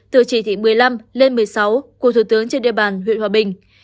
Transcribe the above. từ chỉ thị một mươi năm lên một mươi sáu của thủ tướng trên địa bàn huyện hòa bình